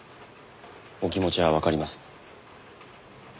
お気持ちはわかります。